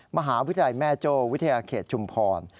มหาวิทยาลัยแม่โจ้วิทยาเขตชุมพร